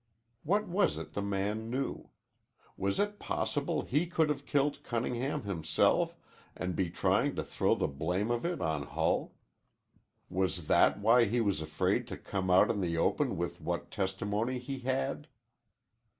What was it the man knew? Was it possible he could have killed Cunningham himself and be trying to throw the blame of it on Hull? Was that why he was afraid to come out in the open with what testimony he had?